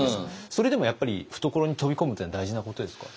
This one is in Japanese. それでもやっぱり懐に飛び込むというのは大事なことですか？